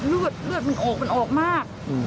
เลือดมันออกมาก